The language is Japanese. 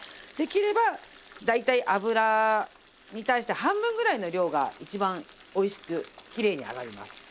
できれば大体油に対して半分ぐらいの量が一番おいしくきれいに揚がります。